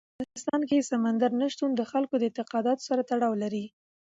په افغانستان کې سمندر نه شتون د خلکو د اعتقاداتو سره تړاو لري.